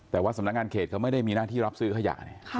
เพราะทางงานเขตเขาไม่ได้มีหน้าที่รับซื้อขยะ